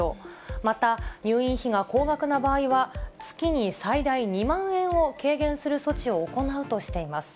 また、入院費が高額な場合は、月に最大２万円を軽減する措置を行うとしています。